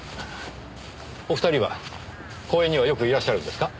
お二人は公園にはよくいらっしゃるんですか？